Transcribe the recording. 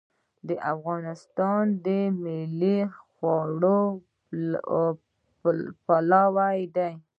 د افغانستان ملي خواړه پلاو دی